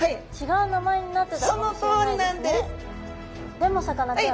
でもさかなクン